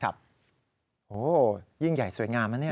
โอ้โหยิ่งใหญ่สวยงามนะเนี่ย